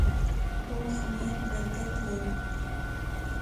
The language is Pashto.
پوخ نیت برکت لري